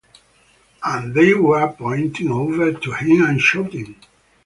And they were pointing over to him and shouting.